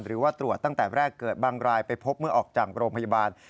หรือว่าตรวจตั้งแต่แรกเกิดบางรายไปพบเมื่อออกจากโรงพยาบาล